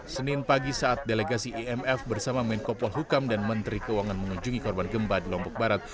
senin pagi saat delegasi imf bersama menko polhukam dan menteri keuangan mengunjungi korban gempa di lombok barat